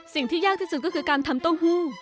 สิ่งที่ยากที่สุดก็คือการทำเต้าหู้